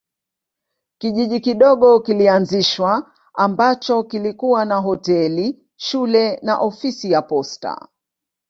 Kijiji kidogo kilianzishwa ambacho kilikuwa na hoteli, shule na ofisi ya posta.